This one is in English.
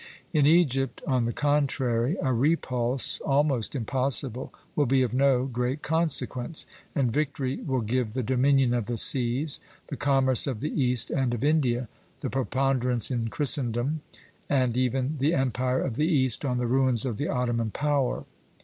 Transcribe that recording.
In Egypt, on the contrary, a repulse, almost impossible, will be of no great consequence, and victory will give the dominion of the seas, the commerce of the East and of India, the preponderance in Christendom, and even the empire of the East on the ruins of the Ottoman power.